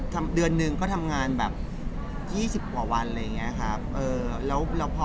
แต่ทานละครับ